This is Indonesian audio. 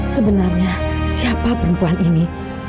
sebenarnya siapa perempuan ini